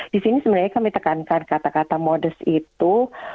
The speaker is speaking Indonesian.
di sini sebenarnya kami tekankan kata kata modus itu